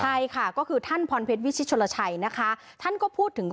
ใช่ค่ะก็คือท่านพรเพศวิชชิโชลาชัยท่านก็พูดถึง